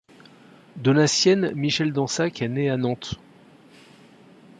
Donatienne Michel-Dansac est née à Nantes.